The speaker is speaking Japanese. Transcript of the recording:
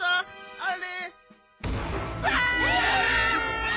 あれ？